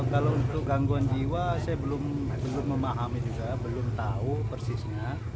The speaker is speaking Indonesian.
kalau untuk gangguan jiwa saya belum memahami juga belum tahu persisnya